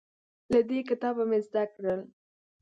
له دې کتابه مې زده کړل